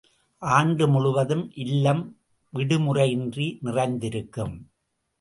ஆண்டு முழுவதும், இல்லம், விடு முறையின்றி நிறைந்திருக்கும்.